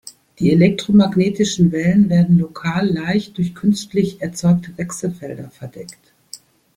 Die elektromagnetischen Wellen werden lokal leicht durch künstlich erzeugte Wechselfelder verdeckt.